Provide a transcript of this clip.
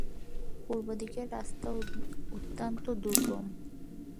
পূর্বদিকের রাস্তা অত্যন্ত দুর্গম।